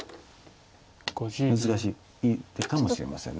難しい手かもしれません。